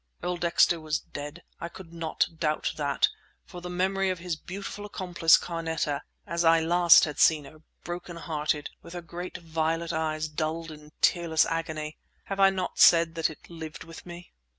Earl Dexter was dead. I could not doubt that; for the memory of his beautiful accomplice, Carneta, as I last had seen her, broken hearted, with her great violet eyes dulled in tearless agony—have I not said that it lived with me?